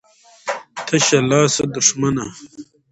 ـ تشه لاسه دښمنه.